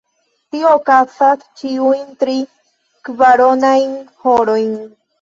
Tio okazas ĉiujn tri-kvaronajn horojn.